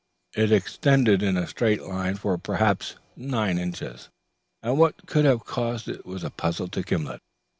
It extended in a straight line for perhaps nine inches, and what could have caused it was a puzzle to Gimblet.